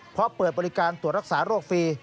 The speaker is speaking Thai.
เพราะเปิดบริการตรวจรักษาโรคฟรี